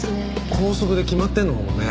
校則で決まってるのかもね。